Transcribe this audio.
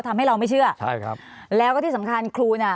ทำให้เราไม่เชื่อใช่ครับแล้วก็ที่สำคัญครูน่ะ